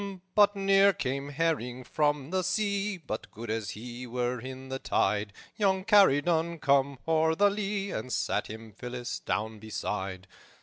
"But ne'er came herring from the sea, But good as he were in the tide; Young Corydon came o'er the lea, And sat him Phillis down beside.